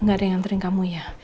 gak ada yang nganterin kamu ya